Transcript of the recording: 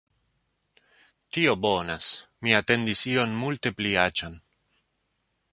Tio bonas. Mi atendis ion multe pli aĉan